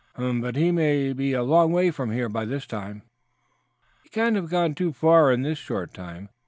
"Hm m m! But he may be a long way from here by this time." "He cannot have gone far in this short time.